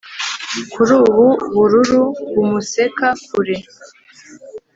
Kandi ubu bururu bumuseka kure